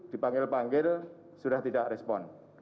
dipanggil panggil sudah tidak respon